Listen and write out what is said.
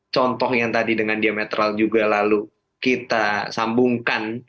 contoh yang tadi dengan diametral juga lalu kita sambungkan